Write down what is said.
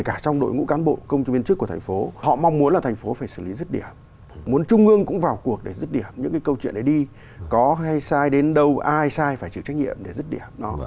có hay sai đến đâu ai sai phải chịu trách nhiệm để rứt điểm